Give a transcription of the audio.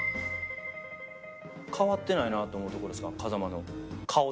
変わってないなと思うとこですか風間の。